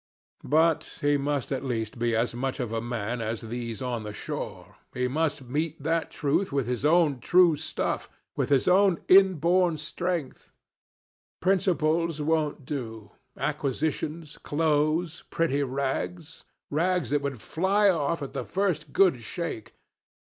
But he must at least be as much of a man as these on the shore. He must meet that truth with his own true stuff with his own inborn strength. Principles? Principles won't do. Acquisitions, clothes, pretty rags rags that would fly off at the first good shake.